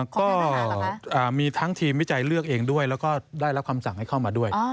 ก็มีทั้งทีมวิจัยเลือกเองด้วยแล้วก็ได้รับคำสั่งให้เข้ามาด้วย